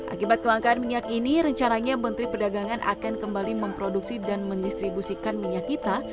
akibat kelangkaan minyak ini rencananya menteri perdagangan akan kembali memproduksi dan mendistribusikan minyak kita